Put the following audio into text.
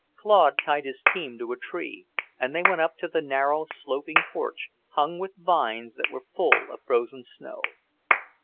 Claude tied his team to a tree, and they went up to the narrow, sloping porch, hung with vines that were full of frozen snow.